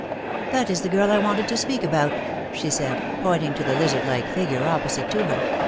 " That is the girl I wanted to speak about," she said, pointing to the lizard like figure opposite to her.